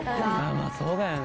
まぁそうだよね。